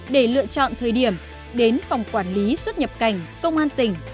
để lựa chọn thời điểm đến phòng quản lý xuất nhập cảnh công an tỉnh